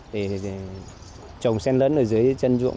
để trồng sen lớn ở dưới dân ruộng